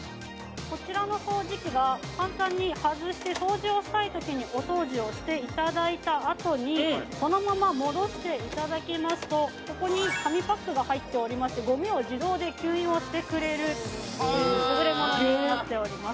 こちらの掃除機は簡単に外して掃除をしたいときにお掃除をしていただいたあとにこのまま戻していただきますとここに紙パックが入っておりましてゴミを自動で吸引をしてくれる優れものになっております